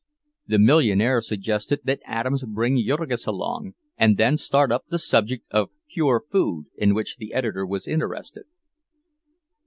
The millionaire suggested that Adams bring Jurgis along, and then start up the subject of "pure food," in which the editor was interested.